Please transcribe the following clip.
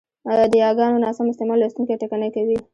د یاګانو ناسم استعمال لوستوونکی ټکنی کوي،